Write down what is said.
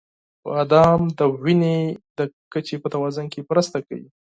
• بادام د وینې د کچې په توازن کې مرسته کوي.